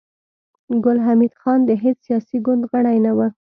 ګل حمید خان د هېڅ سياسي ګوند غړی نه و